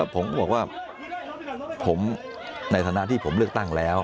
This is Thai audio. ผมก็บอกว่าผมในฐานะที่ผมเลือกตั้งแล้ว